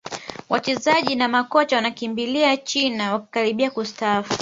wachezaji na makocha wanakimbilia china wakikaribia kustaafu